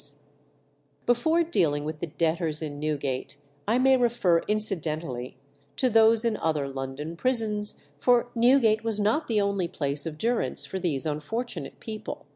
Before dealing with the debtors in Newgate, I may refer incidentally to those in other London prisons, for Newgate was not the only place of durance for these unfortunate people.